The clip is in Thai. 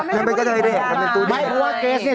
หญิงน่ะหญิงหรอ